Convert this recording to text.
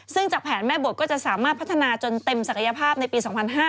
ซึ่งจากแผนแม่บทก็จะสามารถพัฒนาจนเต็มศักยภาพในปี๒๕๕๙